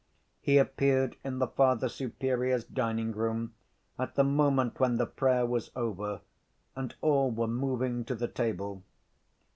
He appeared in the Father Superior's dining‐room, at the moment when the prayer was over, and all were moving to the table.